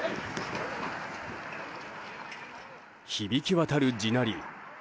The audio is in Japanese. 響き渡る地鳴り。